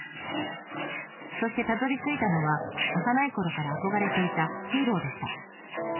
そしてたどりついたのは幼いころから憧れていたヒーローでした。